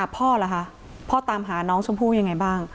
พ่อตามหาน้องชมพุนี้ยังไงบ้าง